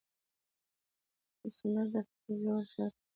سندره د فکر ژوره ښکته ده